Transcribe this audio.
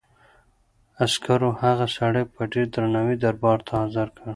عسکرو هغه سړی په ډېر درناوي دربار ته حاضر کړ.